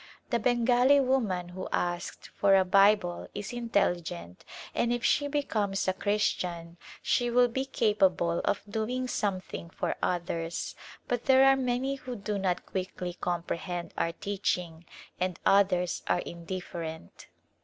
The Bengali woman who asked for a Bible is in telligent and if she becomes a Christian she will be capable of doing something for others, but there are many who do not quickly comprehend our teaching, and others are indifferent.